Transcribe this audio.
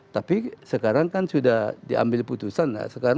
tapi sekarang kan sudah diambil putusan